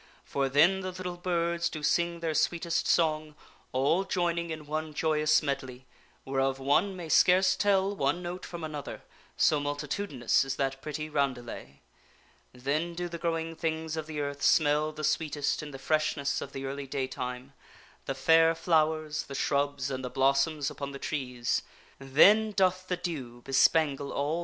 For then the little birds do sing their sweetest song, all joining in one joyous medley, whereof one may scarce tell one note from another, so multitudinous is that pretty roundelay ; then do the grow ing things of the earth smell the sweetest in the freshness Kin Arthur of the early daytime the fair flowers, the shrubs, and the sets forth upon blossoms upon the trees; then doth the dew bespangle all advent.